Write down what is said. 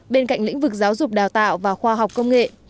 bên cạnh lĩnh vực giáo dục đào tạo và khoa học công nghệ